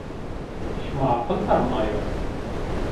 Şima aqil pernayo?